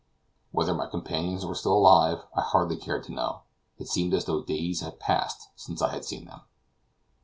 Whether my companions were still alive, I hardly cared to know; it seemed as though days had passed since I had seen them.